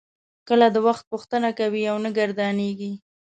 کله د وخت پوښتنه کوي او نه ګردانیږي.